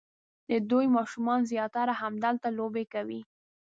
د دوی ماشومان زیاتره همدلته لوبې کوي.